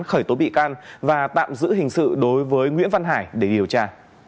khởi tố bị can và tạm giữ hình sự đối với nguyễn văn hải để điều tra